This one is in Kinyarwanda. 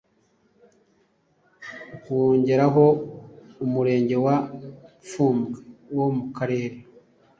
ukongeraho n’Umurenge wa Fumbwe wo mu Karere